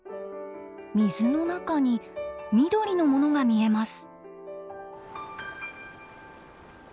水の中に緑のものが見えます。